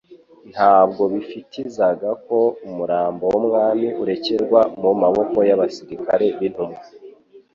Ntabwo bifitzaga ko umurambo w'Umwami urekerwa mu maboko y'abasirikari b'intumva